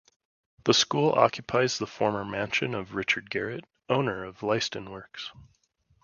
The school occupies the former mansion of Richard Garrett, owner of Leiston Works.